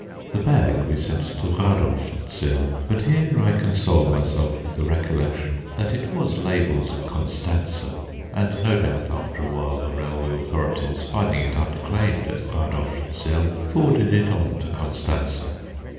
The bag we sent to Radolfzell: but here I console myself with the recollection that it was labelled Constance; and no doubt after a while the railway authorities, finding it unclaimed at Radolfzell, forwarded it on to Constance.